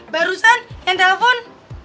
barusan yang telepon